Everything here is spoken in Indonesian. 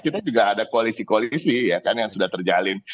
kita juga ada koalisi koalisi ya kan yang sudah terjalin